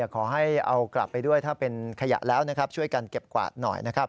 ขอให้เอากลับไปด้วยถ้าเป็นขยะแล้วช่วยกันเก็บกวาดหน่อย